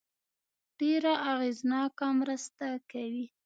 ډېره اغېزناکه مرسته کوي.